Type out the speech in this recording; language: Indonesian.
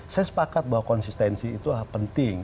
saya sepakat bahwa konsistensi itu penting